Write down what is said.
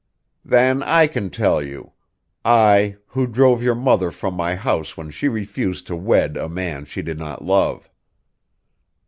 "Then I can tell you I, who drove your mother from my house when she refused to wed a man she did not love."